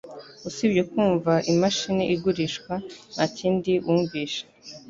usibye kumva imashini igurishwa nakindi wumvishe.